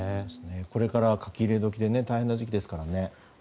これから書き入れ時で大変な時期ですからね。